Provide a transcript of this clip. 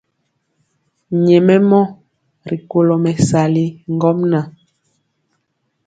Nyɛmemɔ rikolo bɛsali ŋgomnaŋ.